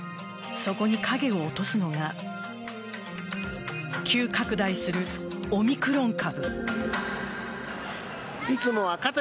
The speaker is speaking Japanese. そこに影を落とすのが急拡大するオミクロン株。